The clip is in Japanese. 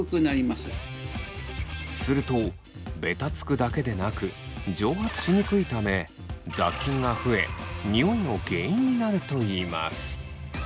するとベタつくだけでなく蒸発しにくいため雑菌が増えニオイの原因になるといいます。